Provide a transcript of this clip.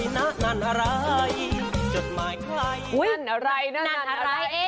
นั่นอะไรนั่นอะไรนั่นอะไรจดหมายใคร